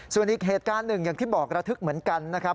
ส่วนอีกเหตุการณ์หนึ่งอย่างที่บอกระทึกเหมือนกันนะครับ